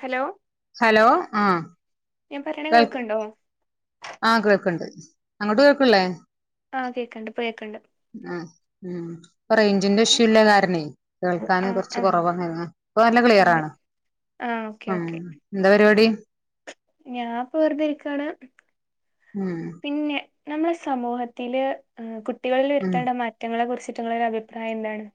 Hello. Hello ആഹ് ഞാൻ പറിണ കേൾക്ക്ണ്ടൊ. ആഹ് കേൾക്ക്ണ്ട്. അങ്ങട്ട് കേൾക്ക് ല്ലെ. ആഹ് കേക്ക്ണ്ട്. ഇപ്പം കേക്ക്ണ്ട്. അഹ് ഉം. ഇപ്പം റെയ്ഞ്ചിന്റെ ഇഷ്യൂ ഇല്ല കാരണെ. കേൾക്കാന് ആഹ് കൊറച്ച് ആഹ് കൊറവാ ഇപ്പൊ നല്ല ക്ലിയർ അതെ ആണ്. ആഹ് ഓക്കെ ഓക്കെ എന്ത പരിപാടി. ഞാൻ ഇപ്പം വെറുതെ ഇരിക്കാണ്. ഉം പിന്നെ നമ്മുടെ സമൂഹത്തില് കുട്ടികളില് ഉം വരുത്തേണ്ട മറ്റ റ്റങ്ങളെ കുറിച്ചിട്ട് ഇങ്ങളൊര് അഭിപ്രായം എന്താണ്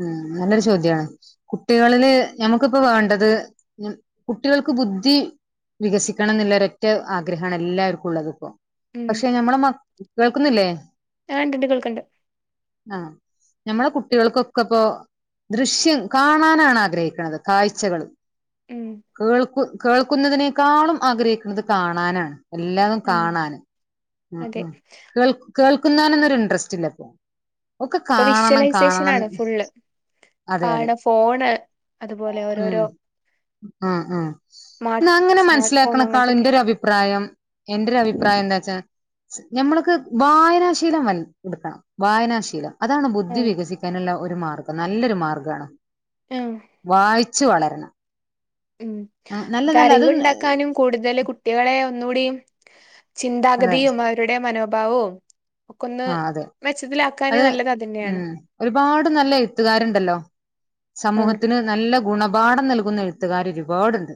ഉം നല്ലൊരു ചോദ്യാണ്. കുട്ടികളില് ഞമ്മക്ക് ഇപ്പം വേണ്ടത് കുട്ടികൾക്ക് ബുദ്ധി വികസിക്കണംന്ന്ള്ള ഒരറ്റ ആഗ്രഹാണ് എല്ലാർക്കും ഉള്ളത് ഇപ്പോ. ഉം പക്ഷെ ഞമ്മളെ മ കേൾക്കുന്നില്ലേ? ആ ഇണ്ട്ണ്ട് കേൾക്ക്ണ്ട്. ആ ഞമ്മളെ കുട്ടികൾക്കൊ ക്കപ്പോ ദൃശ്യം കാണാനാണ് ആഗ്രഹിക്ക്ണത് കാഴ്ചകള് ഉം കേൾക്കു കേൾക്കുന്നതിനേക്കാളും ആഗ്രഹിക്കുന്നത് കാണാനാണ്. എല്ലാതും ആഹ് കാണാൻ ഉം അതെ ഉം കേൾ കേൾക്കുന്നവനിന്നൊരു ഇൻട്രസ്റ്റ് ഇല്ല ഇപ്പോ ഒക്കെ കാണണം കാണണം ള് അതെ കാണ അതെ ഫോണ് അതുപോലെ ഓരോരോ ആ ആ സ്മാർട്ട് ഇന്ന അങ്ങനെ സ്മാർട്ട് ഫോൺ മൻസ്സിലാക്ക്ണക്കാളും അങ്ങനത്തൊക്കെ ഇന്റെ ഒരു അഭിപ്രായം എന്റെ ഒരഭിപ്രായം എന്താച്ചാ ഞമ്മൾക്ക് വായനാശീലം വൽ എടുക്കണം വായനാശീലം അതാണ് ബുദ്ധി ആഹ് വികസിക്കാനുള്ള ഒരു മാർഗ്ഗം നല്ലൊരു മാർഗ്ഗാണ്. ആഹ് വായിച്ചു വളരണം ഉം അത് അറിവ്ണ്ടാക്കാനും കൂടുതൽ കുട്ടികളെ ഒന്നുകൂടീം അതെ ചിന്താഗതിയും അവരുടെ മനോഭാവവും ഒക്കൊന്ന് ആ അതെ മെച്ചത്തിലാക്കാന് അത് നല്ലത് അതന്നെയാണ് ഉം ഒരുപാട് നല്ല എഴുത്തുകാരുണ്ടല്ലോ ആഹ് സമൂഹത്തിന് നല്ല ഗുണപാഠം നൽകുന്ന എഴുത്തുകാർ ഒരുപാടുണ്ട്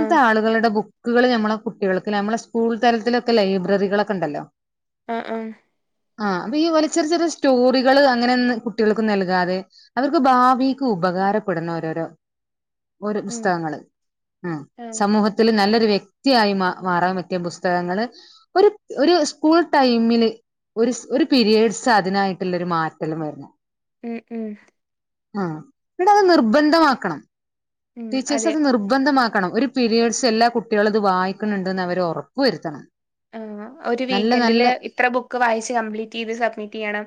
ആഹ് ആളുകളുടെ ബു ക്കുകൾ നമ്മളെ കുട്ടികൾക്ക് നമ്മളെ സ്കൂൾ തലത്തിലൊക്കെ ലൈബ്രറികളൊക്കെ ഉണ്ടല്ലോ ആഹ് ആഹ് ആ അപ്പൊ ഈ പോലെ ചെറി ചെറിയ സ്റ്റോറികൾ അങ്ങനെന്നെ കുട്ടികൾക്ക് നൽകാതെ അവർക്ക് ഭാവിക്ക് ഉപകാരപ്പെടുന്ന ഓരോരോ ഓരോ ഉം പുസ്തകങ്ങള് ആ ആഹ് സമൂഹ ത്തില് നല്ലൊരു വ്യക്തിയായി മാ മാറാൻ പറ്റിയ പുസ്തകങ്ങള് ഒരു ഒരു സ്കൂൾ ടൈമില് ഒരുസ് ഒരു പിരിയേഡ്സ് അതിനായിട്ടുള്ള ഒരു മാറ്റല്ലാം വരണം. ഉം ഉം ആ പിന്നെ അത് നിർബന്ധമാക്കണം ഉം ടീച്ചേഴ്സ് അതെ അത് നിർബ ന്ധമാക്കണം ഒരു പിരീയ്ഡ്സ് എല്ലാ കുട്ടികളും ഇത് വായിക്ക്ണ് ണ്ട്ന്ന് അവർ ഒറപ്പുവരുത്തണം. ആ ഒരു വീക്കെൻഡില് ഇത്ര ബുക്ക് വായിച്ച് കംപ്ലീറ്റ് ചെയ്ത് സബ്മിറ്റ് ചെയ്യണം.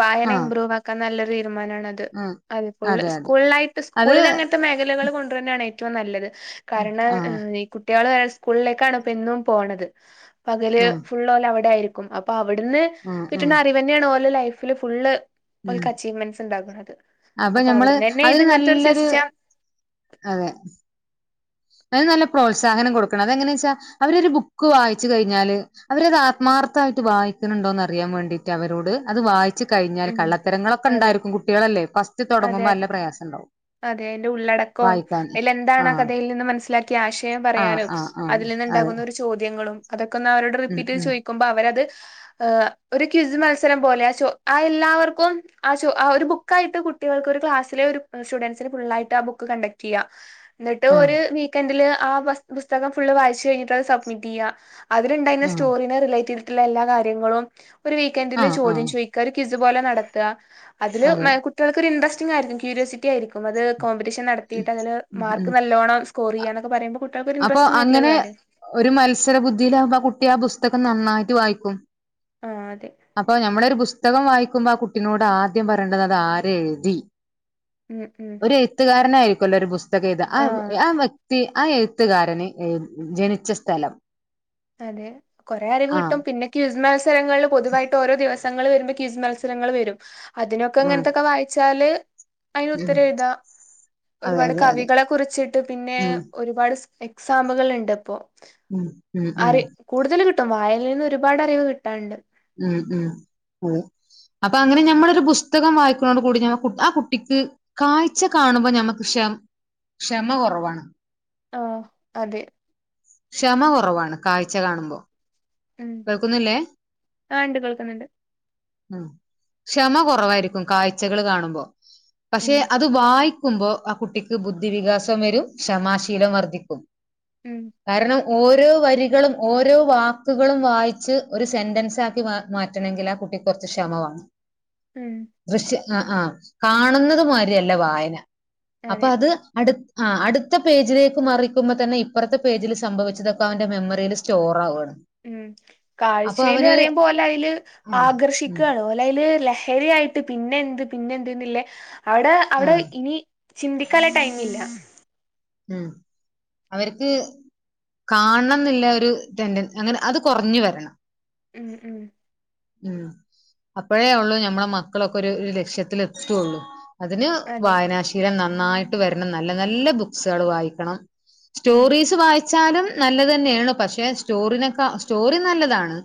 വായന ആഹ് ഇമ്പ്രൂവാക്കാൻ നല്ലൊര് തീരുമാനമാണ് അ ത് ആഹ് അഹ് ഫുള്ള് അതെ അതെ സ്കൂളായിട്ട് അത് സ്കൂളിൽ അങ്ങൻത്തെ മേഖലകൾ കൊണ്ട്ർന്നെയാണ് ഏറ്റവും നല്ലത്. ആഹ് കാരണം ഈ കുട്ട്യാള് എ സ്കൂളിലേക്കാണ് ഇപ്പ എന്നും പോണത് പകല് ആഹ് ഫുള്ള് ഓല് അവടെ ആയിരിക്കും അപ്പൊ അവിടുന്ന് ആഹ് കിട്ട്ണ ആഹ് അറിവന്നെയാണ് ഓല ലൈഫില് ഫുള്ള് ഉം ഓല്ക്ക് അച്ചീവ്മെന്റ്സ് ഇണ്ടാക്ക്ണത് അപ്പൊ അപ്പ ഞമ്മള് അവ്ട്ന്നന്നെ അതിന് ഇതിങ്ങൻത്തെ ഒരു നല്ലൊരു സിസ്റ്റ അതെ അത് നല്ല പ്രോത്സാഹനം കൊടുക്കണം അതെങ്ങനെച്ചാ അവരൊരു ബുക്ക് വായിച്ച് കഴിഞ്ഞാല് അവരത് ആത്മാർത്ഥമായിട്ട് വായിക്ക്ണണ്ടോന്ന് അറിയാൻ വേണ്ടിട്ട് അവരോട് അത് വായി ച്ച് കഴിഞ്ഞാൽ ഉം കള്ളത്തരങ്ങളൊക്കെ അതെ ഇണ്ടായിരിക്കും കുട്ടികളല്ലെ ഫസ്റ്റ് അതെ തൊടങ്ങുമ്പം അതെ നല്ല പ്രയാസം ഇണ്ടാവും. അതെ അയിന്റെ ഉള്ളടക്കോം അയിൽ എന്താണ് ആ ആഹ് കഥയിൽ നിന്ന് മനസ്സിലാ ക്ക്യാ ആശയം ആഹ് പറയാനും ആഹ് ആഹ് അതിൽ അതെ നിന്നുണ്ടാകുന്ന ഒരു ചോദ്യങ്ങളും അതൊക്കെ ഒന്ന് അവരോട് ഉം റിപ്പീറ്റ് ഉം ചോയി ക്കുമ്പം അവരത് ഏ ഒരു ക്വിസ് മത്സരം പോലെ ആ ചോ ആ എല്ലാവർക്കും ആ ചോ ആ ഒരു ബുക്കായിട്ട് കുട്ടികൾക്ക് ഒരു ക്ലാസ്സിലെ ഒരു സ്റ്റുഡൻസിന് ഫുള്ളായിട്ട് ആ ബു ക്ക്‌ കണ്ടക്ട് ചെയ്യ എന്നിട്ട് ആഹ് ഒരു വീക്കെന്ഡില് ആ പസ് പുസ്തകം ഫുള്ള് വായിച്ചു കഴിഞ്ഞിട്ട് അത് സബ്മിറ്റ് ചെയ്യ. അതിലുണ്ടായിരുന്ന ആഹ് സ്റ്റോറിനെ റിലേറ്റ് ചെയ്തിട്ടുള്ള എല്ലാ കാര്യങ്ങളും ഒരു വീക്കെൻഡില് ആഹ് ചോദ്യം ആഹ് ചോയ് ക്ക ഒര് ക്വിസ് പോലെ നടത്തുക അതില് അതെ മെ കു ട്ടികൾക്ക്‌ ഒരു ഇട്രസ്റ്റിങ്ങ് ആയിരിക്കും ക്യൂര്യോസിറ്റി ആയിരിക്കും അത് കോമ്പറ്റീഷൻ നടത്തിയിട്ട് അതില് ഉം ഉം മാർക്ക് നല്ലോണം സ്കോർ ചെയാന്നോക്കെ പറയുമ്പോൾ അപ്പൊ അങ്ങനെ ഒരു മത്സരബുദ്ധിയിലാകുമ്പ ആ കുട്ടി ആ പുസ്തകം നന്നായിട്ട് വായിക്കും ആഹ് അതെ അപ്പൊ ഞമ്മളൊര് പുസ്തകം വായിക്കുമ്പോ ആ കുട്ടിനോട് ആദ്യം പറയേണ്ടത് അത് ആര് എഴുതി ഉം ഉം എഴുത്തുകാരനായിരിക്കൊല്ലോ ഒരു പുസ്തകം എയ്താ ആ ആ വ്യ ക്തി ആ എഴുത്തുകാരന് ജനിച്ച സ്ഥലം അതെ കൊറെ അറിവ് ആഹ് കിട്ടും പിന്നെ ക്വിസ് മത്സരങ്ങളിൽ പൊതുവായിട്ട് ഓരോ ദിവസങ്ങള് വരുമ്പം ക്വിസ് മത്സരങ്ങള് വരും അതിനൊക്കെ ഉം ഇങ്ങനത്തൊക്കെ വായിച്ചാല് അയിന് ഉം ഉത്തരം എഴുതാ അതെ ഒരുപാട് അതെ അതെ കവികളെ കുറിച്ചിട്ട് പിന്നെ ഉം ഒരുപാട് എക്സാമ്കള്ണ്ട് ഇപ്പോ ഉം ഉം ഉം അറി കൂടുതൽ കിട്ടും വായനയിൽന്ന് ഒരുപാട് അറിവ് കിട്ടാണ്ട് ഉം ഉം അതെ അപ്പൊ അങ്ങനെ ഞമ്മളൊരു പുസ്തകം വായിക്കുന്നോട് കൂടി ഞ ആ കുട്ടിക്ക് കാഴ്ച കാണുമ്പോ ഞമ്മക്ക് ക്ഷ ക്ഷമ കൊറവാണ് ആഹ് അതെ ക്ഷമ കൊറവാണ് കാഴ്ച കാണുമ്പോ കേൾക്കുന്നില്ലേ ആഹ് ഇണ്ട് കേൾക്കുന്നുണ്ട് ആഹ് ക്ഷമ കുറവായിരിക്കും കാഴ്ചകള് കാണുമ്പോ പക്ഷെ ഉം അ അത് വായിക്കുമ്പോ ആ കുട്ടിക്ക് ബുദ്ധി വികാസവും വരും ക്ഷമാശീലം വർദ്ധിക്കും ഉം കാരണം ഓരോ വരികളും ഓരോ വാക്കുകളും വായിച്ച് ഒരു സെന്റൻസ് ആക്കി മാ മാറ്റ റ്റണെങ്കിൽ ആ കുട്ടിക്ക് കൊറച്ച് ക്ഷമവേണം ഉം ദൃശ്യ ആഹ് ആഹ് കാണുന്നത് മാരിയല്ല വായന അപ്പൊ അതെ അത് അടു ആഹ് അടുത്ത പേജിലേക്ക് മറിക്കുമ്പോ തന്നെ ഇപ്പറത്തെ പേജിൽ സംഭവിച്ചതൊക്കെ അവന്റെ മെമ്മറിയിൽ സ്റ്റോർ ആവാണ് ഉം കാഴ്ചയിൽ അറിയുമ്പോ ഓല് അയ്ല് ഉം ഉം ആകർഷിക്കാണ് ഓലയില് ലഹരിയായിട്ട് പിന്നെ എന്ത് പിന്നെ എന്തന്നില്ലേ അവിടെ ആ അവിടെ ഇനി ചിന്തിക്കാല്ലെ ടൈമ് ഇല്ല ഉം അവർക്ക് കാണണന്നില്ല ഒരു ടെൻടൻ അങ്ങനെ അത് കൊറഞ്ഞു വരണം ഉം ഉം ഉം അപ്പഴേ ഉള്ളു ഞമ്മളെ മക്കളൊക്കെ ഒരു ലക്ഷ്യത്തില് എത്തുള്ളൂ അതിന് അതെ വായനാശീലം നന്നായിട്ട് വരണം നല്ല നല്ല ബുക്സുകൾ വായിക്കണം ഉം സ്റ്റോറീസ് വായിച്ചാത് നല്ലത് തന്നെയാണ് പക്ഷെ സ്റ്റോറിനക്ക സ്റ്റോറി നല്ലതാണ്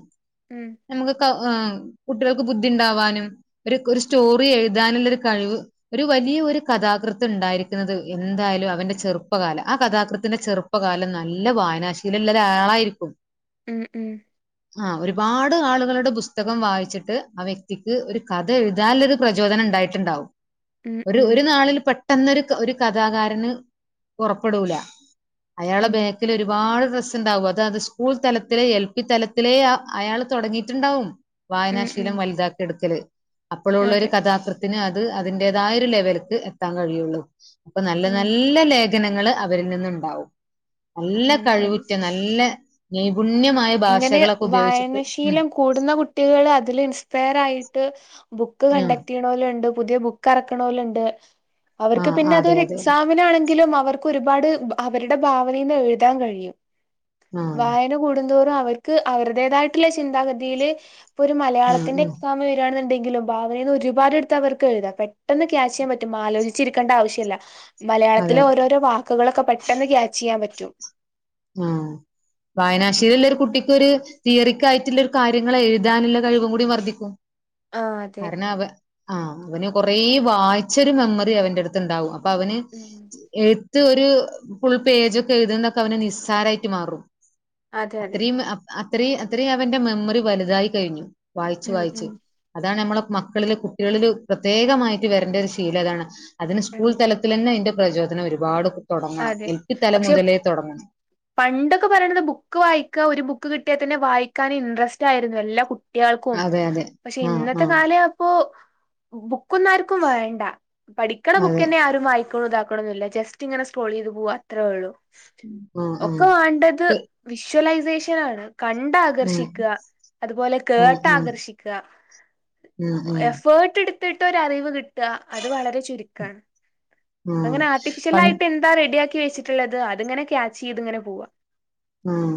ഉം നമുക്ക് ആഹ് കുട്ടികൾക്ക് ബുദ്ധി ഉണ്ടാവാനും ഒരു കു സ്റ്റോറി എഴുതാനുള്ള ഒരു കഴിവ് ഒരു വലിയ ഒരു കഥാകൃത്ത് ഉണ്ടായിരിക്കുന്നത് എന്തായാലും അവന്റെ ചെറുപ്പകാലം ആ കഥാകൃത്തിന്റെ ചെറുപ്പകാലം നല്ല വായനാശീലള്ള ഒരാളായിരിക്കും ഉം ഉം ആഹ് ഒരുപാട് ആളുകളുടെ പുസ്തകം വായിച്ചിട്ട് ആ വ്യക്തിക്ക് ഒരു കഥ എഴുതാല്ലൊരു പ്രചോദനം ഉണ്ടായിട്ടുണ്ടാവും ഉം ഒരു ഉം ഒരു നാളിൽ പെട്ടെന്ന് ഒരു ഒരു കഥാകാരന് പുറപ്പെടൂല അയാള ഉം ബേക്കിൽ ഒരുപാട് റസ് ത്ത്ണ്ടാവും അത അത് സ്കൂൾ തലത്തിലെ എൽ പി തലത്തിലെ ആ അയാൾ തുടങ്ങിയിട്ടുണ്ടാവും ഉം ഉം വായനാശീലം വലുതാക്കി എടുക്കല് അപ്പോഴുള്ളൊരു അതെ കഥാകൃത് ന് അത് അതിന്റേതായ ഒരു ലെവൽക്ക് എത്താൻ കഴിയുള്ളൂ അപ്പൊ നല്ല ഉം നല്ല നല്ല ലേഖനങ്ങള് അവരിൽ നിന്നുണ്ടാവും നല്ല ഉം അതെ കഴിവുറ്റ നല്ല നൈപുണ്യമായ ഇങ്ങനെ ഭാഷകളൊക്കെ ഉപയോഗിച്ചിട്ട് ഉം വായനശീലം കൂടുന്ന കുട്ടികള് അതില് ഇൻസ്പയർ ആയിട്ട് ബുക്ക് ഉം കണ്ടെത്തി പോലുണ്ട് പുതിയ ബുക്ക് എറക്നോലുണ്ട് ആ അവർക്ക് പിന്നെ ആ അതെ അതൊരു അതെ എക്സാം അങ്ങനാണെങ്കിലും അവർക്ക് ഒരുപാട് അവരുടെ ഭാവനേന്ന് എഴുതാൻ കഴിയും ആഹ് വാ യന കൂടുന്തോറും അവർക്ക് അവരുടേതായിട്ടുള്ള ചിന്താഗതിയില് ഇപ്പൊ ഒരു ഉം മലയാളത്തിന്റെ ഉം എക്സാം വരിവാണെന്നുണ്ടെങ്കിലും ഭാവനേന്ന് ഒരുപാട്ത്ത് അവർക്ക് എഴുതാ പെട്ടെന്ന് ക്യാചെയ്യാൻ പറ്റുംഒരുപാട് ആലോച്ചിരിക്കേണ്ട ആവശ്യല്ല അതെ മലയാളത്തില് ഓരോരോ വാക്കുകളൊക്കെ പെട്ടെന്ന് ക്യാച്ച് ചെയ്യാൻ പറ്റും ആഹ് ഉം വായനാശീലല്ലെ ഒരു കുട്ടിക്കൊരു തിയറിക്കായിട്ടുള്ള ഒരു കാര്യങ്ങെളെഴുതാനുള്ള കഴിവും കൂടി വർദ്ധിക്കും ആഹ് അതെ കാരണം അവ ആഹ് അവന് കൊറ വായിച്ചൊരു മെമ്മറി അവന്റെ അടുത്ത് ഉണ്ടാവും അപ്പൊ അവന് ഉം എഴുത്ത് ഒരു ഫുൾ പേജൊക്കെ എഴുതുണതൊക്കെ അവന് നിസ്സാരമായിട്ട് മാറും അതെ അതെ അത്രയും അത്രയും അത്രയും അവൻ്റെ മെമ്മറീ വലുതായി കഴിഞ്ഞു വായിച്ച് ഉം വായിച്ച് ഉം അതാണ് നമ്മളെ മക്കളില് കുട്ടികളില് പ്രത്യേകമായിട്ട് വരണ്ട ഒരു ശീലം അതാണ് അതിന് സ്കൂൾ ഉം തല ൽ തന്നെ അതിന്റെ പ്രചോദനം ഒരുപാട് തുടങ്ങണം അതെ എൽ പി തല പക്ഷെ മുതലേ തുടങ്ങണം പണ്ടൊക്കെ പറയുന്നത് ബുക്ക് വായിക്കാ ഒരു ബുക്ക് കിട്ടിയാൽ തന്നെ വായിക്കാൻ ഇൻട്രസ്റ്റ് ആയിരുന്നു എല്ലാ കു കുട്ടികൾക്കും അതെ അതെ. പക്ഷെ ആഹ് ഇന്നത്തെ ആഹ് കാല പ്പൊ ബുക്കൊന്നും ആർക്കും വേണ്ട പഠിക്കണ അതെ. ബുക്കന്നെ ആരും വായിക്നോ താ ക്കാണോ ഇല്ല ജസ്റ്റ് ഇങ്ങനെ സ്ട്രോൾ ചെയ്ത് പോവാ അത്രേ ഉള്ളു ആഹ് ആഹ് ഒക്കെ വേണ്ടത് പ്പ് വിഷ്വലൈസേഷൻ ആണ് കണ്ട് ഉം ആകർഷിക്ക അതുപോലെ ഉം കേട്ട് ഉം ആകർഷിക്ക ഉം ഉം എഫേർട്ട് എടുത്തിട്ട് ഒരറിവ് കിട്ട അത് വളരെ ചുരുക്കാണ് ഉം അങ്ങനെ ആർട്ടിഫിഷ്യൽ പൺ ആയിട്ട് എന്താ റെഡിയാക്കി വെച്ചിട്ടുള്ളത് അത്ങ്ങനെ ക്യാച്ച് ചെയ്ത് ഇങ്ങനെ പോവാ ഉം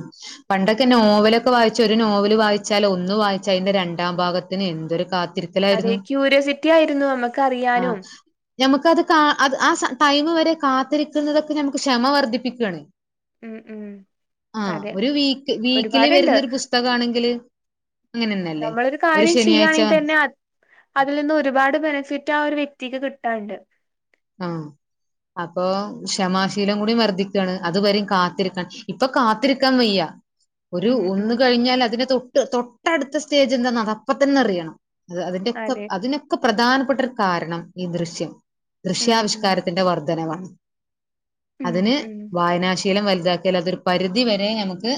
പണ്ടൊക്കെ നോവലൊക്കെ വായിച്ച ഒരു നോവല് വായിച്ചാല ഒന്ന് വായി ച രണ്ടാം ഭാഗത്തിന് എന്തൊരു കാത്തിരി അതെ ക്യൂരിയോസിറ്റി ആയിരുന്നു നമ്മുക്ക് അറിയാനും ഞമ്മുക്കത് കാ അത് ആ ടൈമ് വരെ കാത്തിരിക്കുന്നതൊക്കെ ഞമ്മുക്ക് ക്ഷമ വർദ്ധിപ്പിക്കുവാണെ ഉം ഉം ആഹ് അതെ ഒരു വീക്ക് വീക്കിലി ഒരുപാടുണ്ട് വരുന്ന ഒരു പുസ്തകാണെങ്കില് അങ്ങനെന്നല്ലേ? നമ്മളൊരു ഒരു കാര്യം ശനിയാഴ്ച ചെയ്യാണെങ്കി തന്നെ അതിൽ നിന്ന് ഒരുപാട് ബെനിഫിറ്റ് ആ ഒരു വ്യക്തിക്ക് കിട്ടാണ്ട് ആഹ് അപ്പൊ ക്ഷമാശീലം കൂടി വർദ്ദിക്കാണ് അതുവരേം കാത്തിരിക്കാൻ ഇപ്പൊ കാത്തിരിക്കാൻ വയ്യ ഒരു ഉം ഉം ഒന്ന് കഴിഞ്ഞാൽ അതിന്റെ തൊട്ട് തൊട്ടടുത്ത സ്റ്റേജ് എന്താണ അത്പ്പ തന്നെ അറിയണം അ അതിന്റെൊക്കെ അതെ അതിനൊക്കെ പ്രധാനപ്പെട്ട ഒരു കാരണം ഈ ദൃശ്യം ഉം ഉം ദൃശ്യാവിഷ്കാരത്തിന്റെ വർധനവാണ് ഉം അതിന് ഉം വായനാശ് ശീലം വലുതാക്കിയാലതൊരു പരിധി വരെ നമക്ക്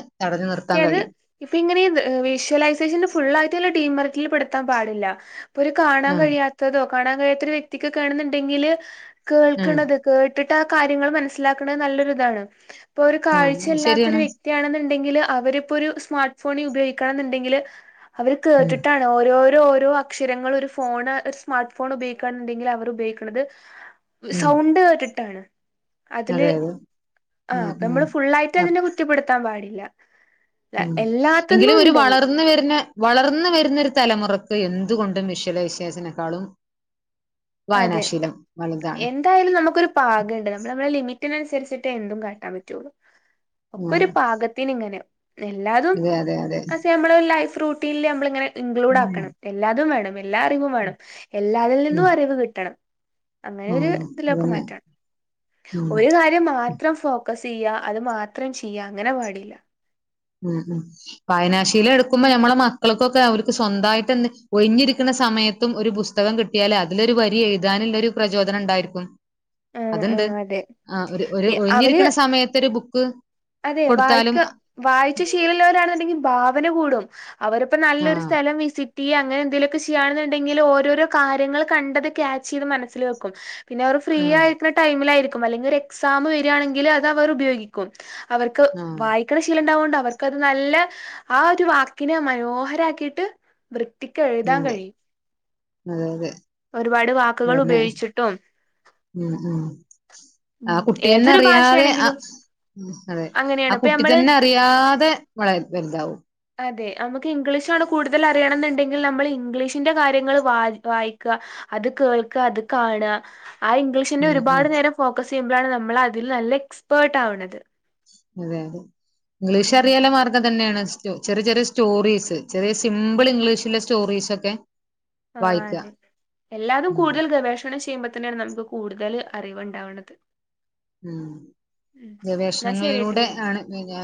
അത് ഇപ്പൊ ഇങ്ങനെ വിഷ്വലൈസേഷൻ ഫുള്ള ആയിട്ട് ടീം വർക്കിൽ പെടുത്താൻ പാടില്ല ഇപ്പൊ ഒരു കാണാൻ ആ കഴിയാത്തതോ കാണാൻ കഴിയാത്ത ഒരു വ്യക്തിക്ക് കേണുന്നുണ്ടെങ്കിൽ ആ കേൾക്കണത് കേട്ടിട്ട് ആ കാര്യങ്ങൾ മനസ്സിലാക്കണ നല്ലൊരു ഇതാണ് ഇപ്പൊ ഒരു ആ കാഴ്ചയില്ലാത്തൊ ഒരു ശരിയാണ് വ്യക് തിയാണെന്നുണ്ടെങ്കിൽ അവരിപ്പോ ഒരു സ്മാർട്ട് ഫോണ് ഉപയോഗിക്കണം എന്നുണ്ടെങ്കിൽ അവർ ഉം കേട്ടിട്ടാണ് ഓരോരോ ഓരോ അക്ഷരങ്ങൾ ഒരു ഫോണ് ഒരു സ്മാർട്ട് ഫോൺ ഉപയോഗിക്കുകണുണ്ടെങ്കിലിൽ അവർ ഉപയോഗിക്കണത് ഉം സൗണ്ട് കേട്ട്ട്ടാണ് അതില് അതെ അതെ ആ ഉം അപ്പൊ ഉം നമ്മള് ഫുള്ളായിട്ട് അപ് അതിനെ കുറ്റപ്പെടുത്താൻ പാടില്ല ഉം എല്ലാത്തിന്നും എങ്കിലും ഒരു ഉണ്ട് വളർന്ന് വരുന്നേ വളർന്ന് വരുന്നൊരു തലമുറക്ക് എന്തുകൊണ്ടും വിശ്വലയ്സേഷനെക്കാളും അതെ വലുതാണ് എ ന്തായാലും നമക്കൊരു പാകണ്ട് നമ്മള് നമ്മുളെ ലിമിറ്റിനനുസരിച് എന്തും കാട്ടാൻ പറ്റൊള്ളൂ ഒക്കെ ഉം ഒരു പാകത്തിന് ഇങ്ങനെ എല്ലാതും അതെ അതെ അതെ പക്ഷെ നമ്മള ലൈഫ് റൂട്ടീനിൽ ഞമ്മള് ഇങ്ങനെ ഇൻക്ലൂഡ് ഉം ആക്കണം എല്ലാതും വേണം എല്ലാ അറിവും വേണം എല്ലാതിൽ നിന്നും ഉം അറിവ് കിട്ടണം അങ്ങനെ ഒരു ഉം ഇതിലൊക്കെ അതന്നെ മാറ്റാണ് ഉം ഒരു കാര്യ അത് മാത്രം ഫോക്കസ് ചെയ്യ അത് മാത്രം ചെയ്യ അങ്ങനെ പാടില്ല ഉം ഉം വായനാശിയില എടുക്കുമ്പോ മ്മളെ മക്കൾക്കൊക്കെ അവർക്ക് സ്വന്തമായിട്ട് എ ഒഴിഞ്ഞിരിക്കുന്ന സമയത്തും ഒരു പുസ് സ്തകം കിട്ടിയാല് അതിലൊരു വരി എഴുതാനുള്ളരു പ്രചോദനം ണ്ടായിരിക്കും ആഹ് അതുണ്ട് ആഹ് അതെ ആ ഒരു ഒരു അവര് ഒഴിഞ്ഞിരിക്കണ സമയത്ത ഒരു ബുക്ക് അതെ കൊടുത്താലും വായിക്ക വായിച് ശീലള്ളവരാണുണ്ടെങ്കിൽ ഭാവന കൂടും അവരപ്പ നല്ലൊരു ആഹ് സ്ഥലം വിസി അങ്ങനെ എന്തെലുമൊക്കെ ചെയ്യുകയാെന്നുണ്ടെങ്കിൽ ഓരോരോ കാര്യങ്ങൾ കണ്ടത് ക്യാച്ച് ചെയ്ത് മനസ്സിൽ വെക്കും പിന്നെ അവർ ഫ്രീ ആഹ് ആയിരിക്കുന്ന ടൈമിലായിരിക്കും അല്ലെങ്കിൽ ഒരു എക്സാം വരിയാണെങ്കിൽ അത് അവർ ഉപയോഗിക്കും അവർക്ക് ആഹ് വായി ണശീലം ഉണ്ടാവുകൊണ്ട് അവർക്ക്ത് നല്ല ആ ഒരു വാക്കിനെ മനോഹരാക്കിയിട്ട് വൃ ത്തിക്ക് അതെ എഴുതാൻ കഴിയും അതെ അതെ ഒരുപാട് വാക്കുകൾ അതന്നെ ഉപയോഗിച്ചിട്ടും ഉം ഉം ആ ഉം കുട്ടിയന്നെ ഏതൊരു അറിയാതെ ആ ഭാഷയാണെങ്കിലും ഉം അതെ ആ അങ്ങനെയാണ് ഇപ്പൊ കുട്ടി നമ്മള് തന്നെ അറിയാതെ വള വലുതാവും അതെ നമുക്ക് ഇംഗ്ലീഷാണ് കൂടുതൽ അറിയണം എന്നുണ്ടെങ്കിൽ നമ്മൾ ഇംഗ്ലീഷിന്റെ കാര്യങ്ങൾ വ വായിക്ക അത് കേൾക്ക അത് കാണ ആ ഇഗ്ലി ഷിന്റെ ഉം ഉം ഒരുപാട് നേരം ഫോക്കസ് ചെയ്യുമ്പോഴാണ് നമ്മൾ അതിൽ നല്ല എക്സ്പേർട്ട് ആവണത് അതെ അതെ ഇംഗ്ലീഷ് ഉം അറിയാല്ലേ മാർഗം ഇതന്നെയാണ് ചെറിയ ചെറിയ സ്റ്റോറീസ് ചെറിയ സിമ്പിൾ ഇംഗ്ലീഷിലെ സ്റ്റോറീസൊക്കെ ആ വായിക്കുക അതെ എല്ലാരും ഉം കൂടുതൽ ഗവേഷണം ചെയ്യുമ്പ തെന്നെണ് നമുക്ക് കൂടുതൽ അറിവ്ണ്ടാവണത് ഉം എന്നാ ശരിട്ടിലി ഗവേഷണങ്ങളിലൂടെ ആണ് പിന്നെ